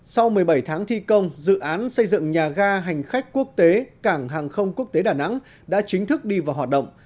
sau một mươi bảy tháng thi công dự án xây dựng nhà ga hành khách quốc tế cảng hàng không quốc tế đà nẵng đã chính thức đi vào hoạt động